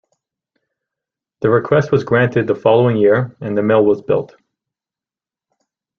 The request was granted the following year and the mill was built.